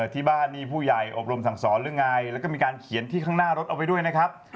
ที่บ้านนี่ผู้ใหญ่อบรมสั่งสอนหรือไงแล้วก็มีการเขียนที่ข้างหน้ารถเอาไว้ด้วยนะครับ